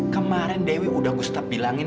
kemarin dewi udah gustaf bilangin